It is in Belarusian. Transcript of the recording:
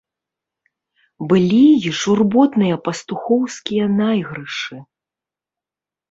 Былі і журботныя пастухоўскія найгрышы.